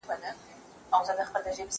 ما مخکي د سبا لپاره د سوالونو جواب ورکړی وو..